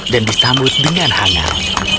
dan disambut dengan hangat